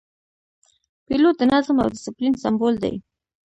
پیلوټ د نظم او دسپلین سمبول دی.